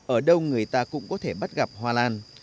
ở đâu người ta cũng có thể bắt gặp hoa lan